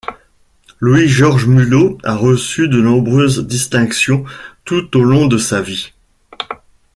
Louis-Georges Mulot a reçu de nombreuses distinctions tout au long de sa vie.